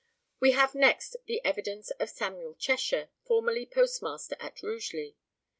We have next the evidence of Samuel Cheshire, formerly postmaster at Rugeley.